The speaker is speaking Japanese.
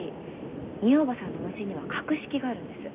みえ叔母さんのお店には格式があるんです。